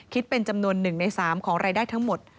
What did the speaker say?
คิดเป็นจำนวนหนึ่งในสามของรายได้ทั้งหมด